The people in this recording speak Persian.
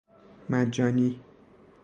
مجانی